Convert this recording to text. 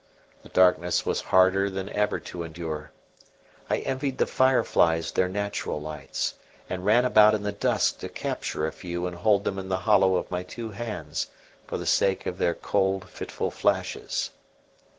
The darkness was harder than ever to endure. I envied the fireflies their natural lights, and ran about in the dusk to capture a few and hold them in the hollow of my two hands, for the sake of their cold, fitful flashes.